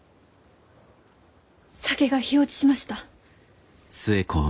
酒が火落ちしました。